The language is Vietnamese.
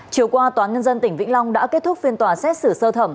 chiều qua tòa nhân dân tỉnh vĩnh long đã kết thúc phiên tòa xét xử sơ thẩm